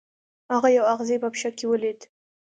هغه یو اغزی په پښه کې ولید.